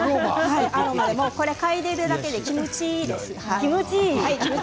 嗅いでいるだけでキムチいいです。